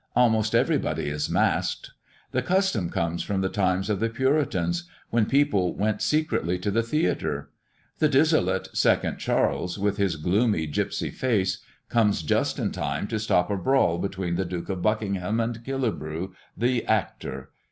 Almost everybody is masked. The custom comes from the times of the Puritans, when people went secretly to the theatre. The dissolute second Charles, with his gloomy gypsy face, comes just in time to stop a brawl between the Duke of Buckingham and Killigrew the actor.